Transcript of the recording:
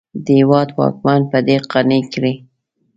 د هېواد واکمن په دې قانع کړي.